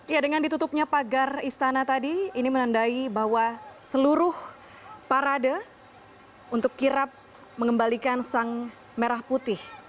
ya dengan ditutupnya pagar istana tadi ini menandai bahwa seluruh parade untuk kirap mengembalikan sang merah putih